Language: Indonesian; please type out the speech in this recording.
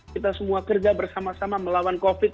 kita semua kerja bersama sama melawan covid